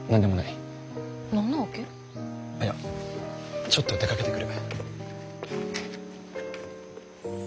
いやちょっと出かけてくる。